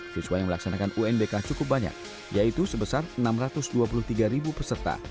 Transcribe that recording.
siswa yang melaksanakan unbk cukup banyak yaitu sebesar enam ratus dua puluh tiga peserta